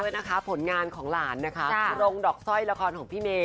นะคะผลงานของหลานนะคะรงดอกสร้อยละครของพี่เมย